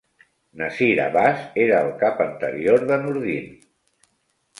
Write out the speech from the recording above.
Nasir Abbas era el cap anterior de Noordin.